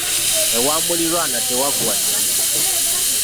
Ewa muliraanwa tewaggwa nnyama.